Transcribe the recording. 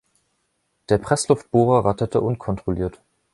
Der Pressluftbohrer ratterte unkontrolliert.